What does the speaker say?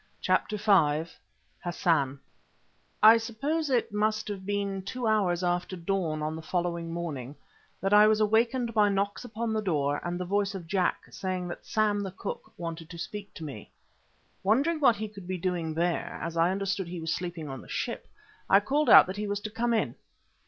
CHAPTER V HASSAN I suppose it must have been two hours after dawn on the following morning that I was awakened by knocks upon the door and the voice of Jack saying that Sam, the cook, wanted to speak to me. Wondering what he could be doing there, as I understood he was sleeping on the ship, I called out that he was to come in.